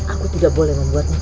aku tidak boleh membuatmu curiga